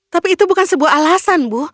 tapi itu bukan sebuah alasan bu